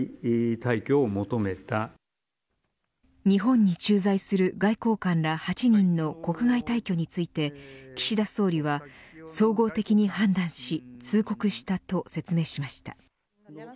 日本に駐在する外交官ら８人の国外退去について岸田総理は総合的に判断し通告したと説明しました。